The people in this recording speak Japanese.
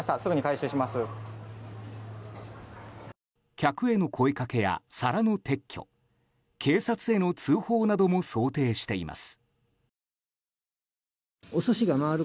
客への声掛けや皿の撤去警察への通報なども想定しています。